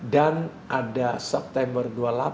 dan ada september dua puluh delapan